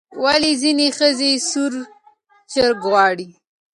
ولې ځینې ښځې سور چرګ غواړي؟